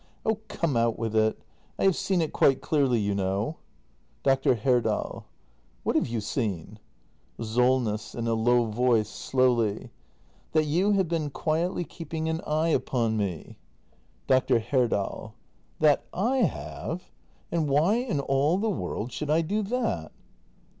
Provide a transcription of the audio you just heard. Oh come, out with it; I have seen it quite clearly, you know. Dr. Herdal. What have you seen ? Solness. [hi a low voice, slowly.] That you have been quietly keeping an eye upon me. Dr. Herdal. That / have! And why in all the world should I do that